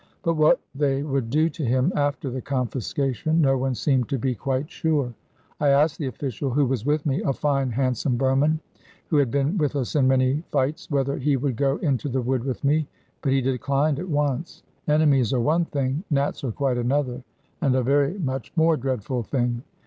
But what they would do to him after the confiscation no one seemed to be quite sure. I asked the official who was with me, a fine handsome Burman who had been with us in many fights, whether he would go into the wood with me, but he declined at once. Enemies are one thing, Nats are quite another, and a very much more dreadful thing.